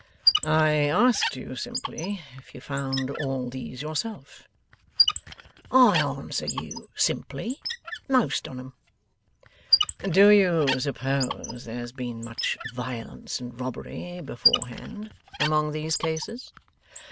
'I asked you, simply, if you found all these yourself?' 'I answer you, simply, most on 'em.' 'Do you suppose there has been much violence and robbery, beforehand, among these cases?